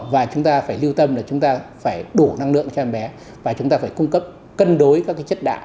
và chúng ta phải lưu tâm là chúng ta phải đủ năng lượng cho em bé và chúng ta phải cung cấp cân đối các chất đạm